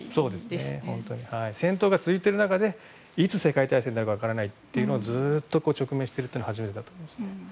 戦闘が続いている中でいつ世界大戦になるか分からないということに直面しているのは初めてです。